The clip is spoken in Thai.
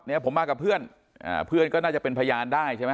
ผมมากับเพื่อนอ่าเพื่อนก็น่าจะเป็นพยานได้ใช่ไหม